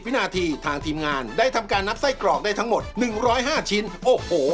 วินาทีทางทีมงานได้ทำการนับไส้กรอกได้ทั้งหมดหนึ่งร้อยห้าชิ้นโอ้โห